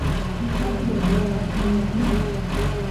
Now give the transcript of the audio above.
tutapi wyrakachanay tiyan